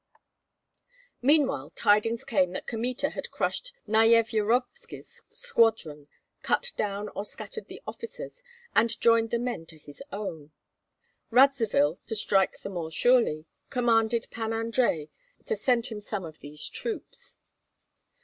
Meanwhile tidings came that Kmita had crushed Nyevyarovski's squadron, cut down or scattered the officers, and joined the men to his own. Radzivill, to strike the more surely, commanded Pan Andrei to send him some of these troops.